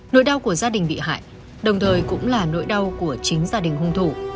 nỗi đau của gia đình bị hại đồng thời cũng là nỗi đau của chính gia đình hung thủ